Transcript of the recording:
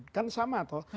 kan sama toh